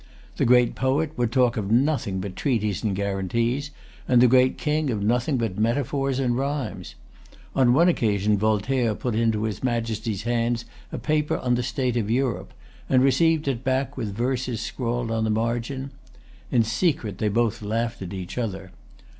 The great poet would talk of nothing but treaties and guarantees, and the great King of nothing but metaphors and rhymes. On one occasion Voltaire put into his Majesty's hands a paper on the state of Europe, and received it back with verses scrawled on the margin. In secret they both laughed at each other.